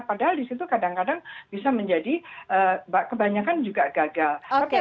padahal di situ kadang kadang bisa menjadi kebanyakan juga gagal